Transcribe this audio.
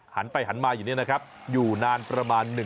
หันไปหันมาอยู่นี่นะครับอยู่นานประมาณ